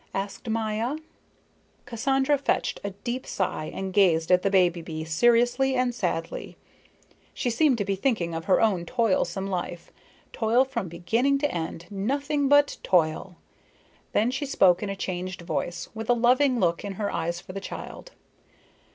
asked Maya. Cassandra fetched a deep sigh and gazed at the baby bee seriously and sadly. She seemed to be thinking of her own toilsome life toil from beginning to end, nothing but toil. Then she spoke in a changed voice, with a loving look in her eyes for the child.